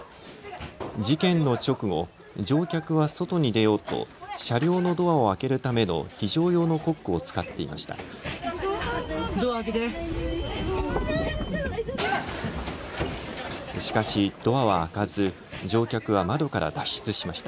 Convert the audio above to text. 事件の直後、乗客は外に出ようと車両のドアを開けるための非常用のコックを使っていました。